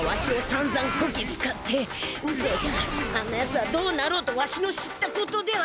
そうじゃあんなやつはどうなろうとわしの知ったことでは。